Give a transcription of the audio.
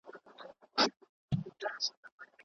ټولنیز واقیعت د خلکو د ګډ باورونو پایله ده.